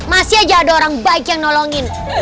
masih aja ada orang baik yang nolongin